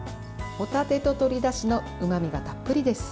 ホタテと鶏だしのうまみがたっぷりです。